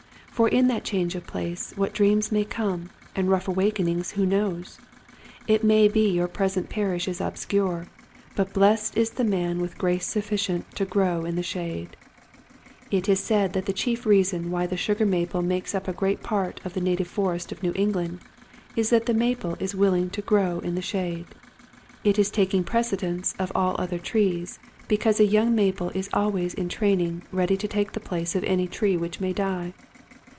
For in that change of place what dreams may come and rough awakenings who knows ! It may be your present parish is obscure, but blessed is the man with grace sufficient to grow in the shade. It is said that the chief reason why the sugar maple makes up a great part of the native forests of New England is that the maple is willing to grow in the shade. It is taking prece dence of all other trees because a young maple is always in training ready to take the place of any tree which may die.